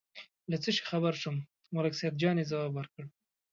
له څه شي خبر شوم، ملک سیدجان یې ځواب ورکړ.